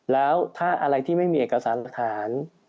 แล้วถ้าอะไรที่ไม่มีเอกสารหลักฐาน